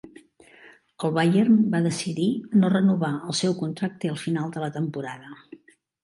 El Bayern va decidir no renovar el seu contracte al final de la temporada.